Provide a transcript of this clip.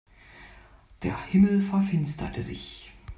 Der Himmel verfinsterte sich.